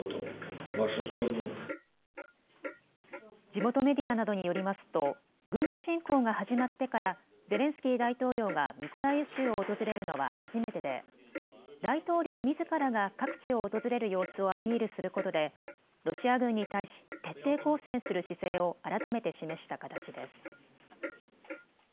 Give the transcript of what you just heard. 地元メディアなどによりますと軍事侵攻が始まってからゼレンスキー大統領がミコライウ州を訪れるのは初めてで、大統領みずからが各地を訪れる様子をアピールすることでロシア軍に対し徹底抗戦する姿勢を改めて示した形です。